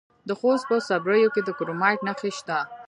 د خوست په صبریو کې د کرومایټ نښې شته.